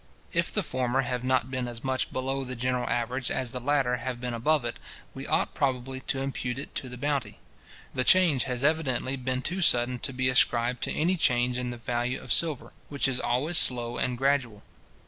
If the former have not been as much below the general average as the latter have been above it, we ought probably to impute it to the bounty. The change has evidently been too sudden to be ascribed to any change in the value of silver, which is always slow and gradual.